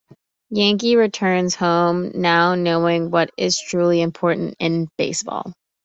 Yankee returns home, now knowing what is truly important in baseball.